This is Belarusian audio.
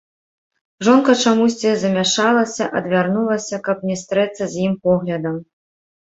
Жонка чамусьці замяшалася, адвярнулася, каб не стрэцца з ім поглядам.